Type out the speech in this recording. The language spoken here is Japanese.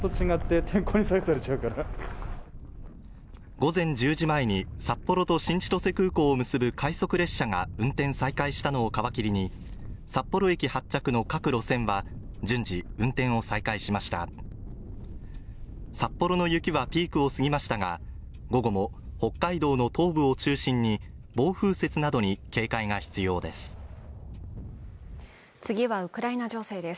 午前１０時前に札幌と新千歳空港を結ぶ快速列車が運転再開したのを皮切りに札幌駅発着の各路線は順次運転を再開しました札幌の雪はピークを過ぎましたが午後も北海道の東部を中心に暴風雪などに警戒が必要です